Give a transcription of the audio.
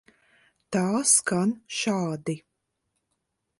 Tā skan šādi.